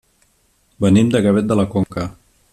Venim de Gavet de la Conca.